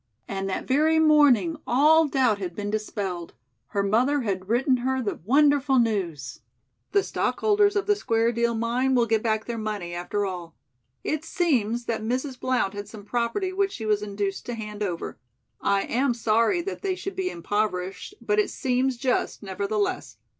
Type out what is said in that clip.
And that very morning all doubt had been dispelled. Her mother had written her the wonderful news: "The stockholders of the Square Deal Mine will get back their money, after all. It seems that Mrs. Blount had some property which she was induced to hand over. I am sorry that they should be impoverished, but it seems just, nevertheless.